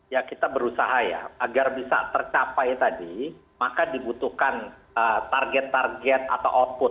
ya kita berusaha ya agar bisa tercapai tadi maka dibutuhkan target target atau output